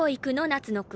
夏野君。